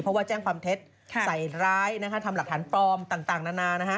เพราะว่าแจ้งความเท็จใส่ร้ายทำหลักฐานปลอมต่างนานา